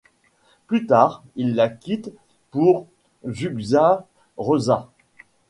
Plus tard, il la quitte pour Zsuzsa Rózsa.